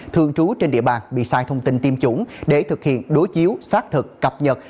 thường trú trên địa bàn bị sai thông tin tiêm chủng để thực hiện đối chiếu xác thực cập nhật